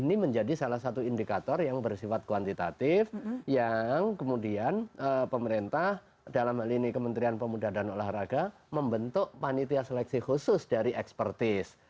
ini menjadi salah satu indikator yang bersifat kuantitatif yang kemudian pemerintah dalam hal ini kementerian pemuda dan olahraga membentuk panitia seleksi khusus dari ekspertis